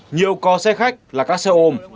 nhiều có xe khách là các xe ôm